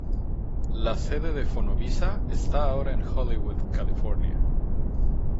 La sede de Fonovisa esta ahora en Hollywood, California.